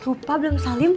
rupa belum salim